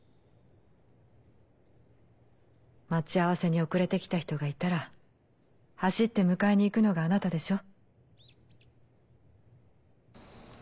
待ち合わせに遅れて来た人がいたら走って迎えに行くのがあなたでしょ？